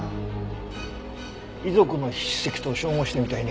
遺族の筆跡と照合してみたいね。